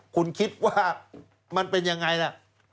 คุณคิดว่ามันเป็นยังไงล่ะ